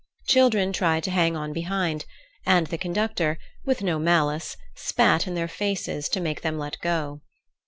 Children tried to hang on behind, and the conductor, with no malice, spat in their faces to make them let go.